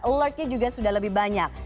alertnya juga sudah lebih banyak